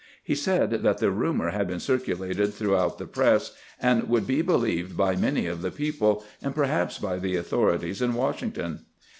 He said that the rumor had been cir culated throughout the press, and would be believed by many of the people, and perhaps by the authorities in Washington.